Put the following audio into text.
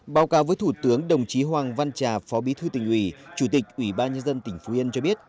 báo cáo với thủ tướng đồng chí hoàng văn trà phó bí thư tỉnh ủy chủ tịch ủy ban nhân dân tỉnh phú yên cho biết